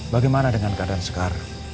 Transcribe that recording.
bagaimana dengan keadaan sekar